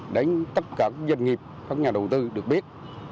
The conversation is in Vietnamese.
đến tất cả các doanh nghiệp các nhà đầu tư được biết